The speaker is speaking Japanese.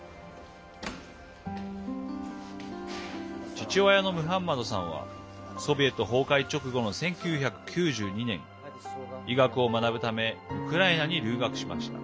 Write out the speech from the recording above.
父親のムハンマドさんはソビエト崩壊直後の１９９２年医学を学ぶためウクライナに留学しました。